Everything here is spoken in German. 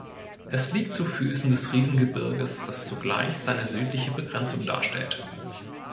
Es liegt zu Füßen des Riesengebirges, das zugleich seine südliche Begrenzung darstellt.